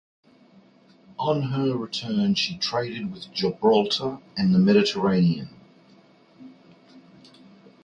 On her return she traded with Gibraltar and the Mediterranean.